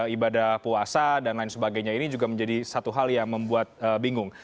ibadah puasa dan lain sebagainya ini juga menjadi satu hal yang membuat bingung